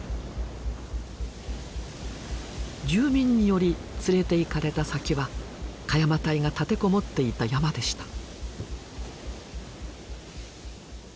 住民により連れていかれた先は鹿山隊が立てこもっていた山でした。